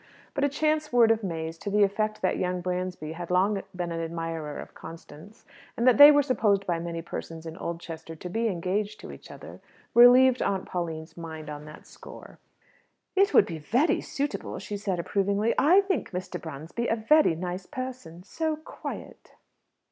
But a chance word of May's to the effect that young Bransby had long been an admirer of Constance, and that they were supposed by many persons in Oldchester to be engaged to each other, relieved Aunt Pauline's mind on that score. "It would be very suitable," she said approvingly. "I think Mr. Bransby a very nice person; so quiet."